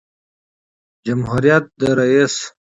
جمهوریت د رئیس